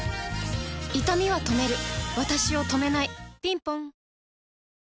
いたみは止めるわたしを止めないぴんぽん